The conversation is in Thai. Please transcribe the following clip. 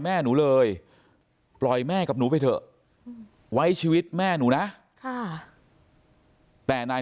แม่หนูเลยปล่อยแม่กับหนูไปเถอะไว้ชีวิตแม่หนูนะค่ะแต่นาย